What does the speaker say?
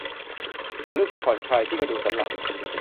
ฉันรู้สึกผ่อนคลายที่กระดูกสันหลัง